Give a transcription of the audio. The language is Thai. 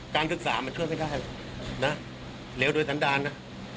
การศึกษามันช่วยไม่ได้นะเหลวโดยสันดาลนะ